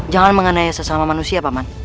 jangan mengenai sesama manusia paman